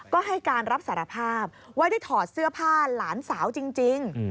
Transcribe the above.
ก็ให้การรับสารภาพว่าได้ถอดเสื้อผ้าหลานสาวจริง